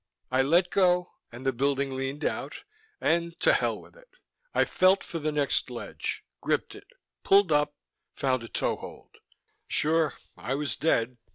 I let go, and the building leaned out, and to hell with it.... I felt for the next ledge, gripped it, pulled up, found a toe hold. Sure, I was dead.